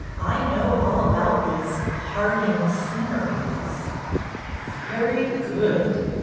I know all about these parting sceneries! " "Very good!